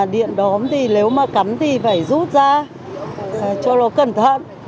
đóng thì nếu mà cắm thì phải rút ra cho nó cẩn thận